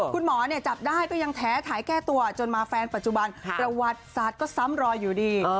คุณหมอจับได้ก็ยังแท้ถ่ายแก้ตัวจนมาแฟนปัจจุบันประวัติศาสตร์ก็ซ้ำรอยอยู่ดี